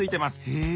へえ。